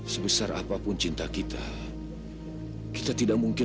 kamu harus tetap menjadi milikku